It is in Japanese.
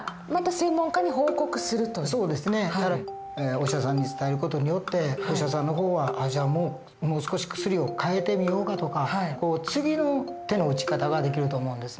お医者さんに伝える事によってお医者さんの方は「じゃあもう少し薬を変えてみようか」とか次の手の打ち方ができると思うんですね。